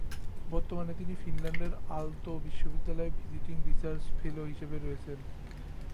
বর্তমানে তিনি ফিনল্যান্ডের আলতো বিশ্ববিদ্যালয়ে ভিজিটিং রিসার্চ ফেলো হিসেবে রয়েছেন।